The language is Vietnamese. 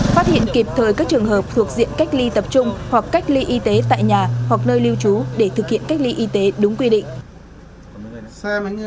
phát hiện kịp thời các trường hợp thuộc diện cách ly tập trung hoặc cách ly y tế tại nhà hoặc nơi lưu trú để thực hiện cách ly y tế đúng quy định